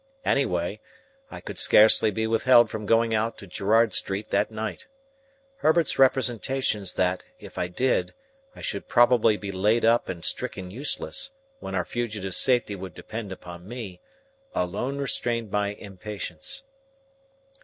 Any way, I could scarcely be withheld from going out to Gerrard Street that night. Herbert's representations that, if I did, I should probably be laid up and stricken useless, when our fugitive's safety would depend upon me, alone restrained my impatience.